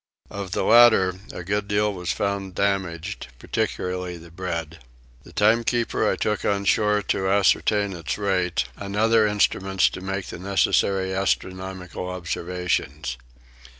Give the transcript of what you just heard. Of the latter a good deal was found damaged, particularly the bread. The timekeeper I took on shore to ascertain its rate, and other instruments to make the necessary astronomical observations.